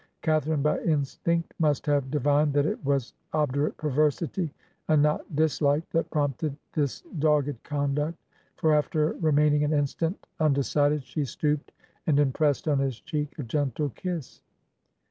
Cath arine, by instinct, must have divined that it was ob durate perversity and not dislike that prompted this dogged conduct, for, after remaining an instant imde cided, she stooped and impressed on his cheek a gentle kiss.